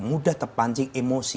mudah terpancing emosi